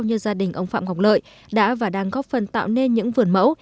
như gia đình ông phạm ngọc lợi đã và đang góp phần tạo nên những vườn mẫu